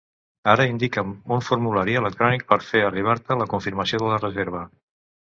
Ara indica'm un formulari electrònic per fer arribar-te la confirmació de la reserva.